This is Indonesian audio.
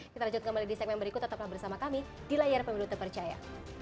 kita lanjutkan kembali di segmen berikut tetaplah bersama kami di layar pemilu terpercaya